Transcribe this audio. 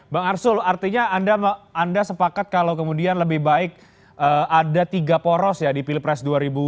bang arsul artinya anda sepakat kalau kemudian lebih baik ada tiga poros ya di pilpres dua ribu dua puluh